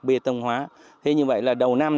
bê tông hóa thế như vậy là đầu năm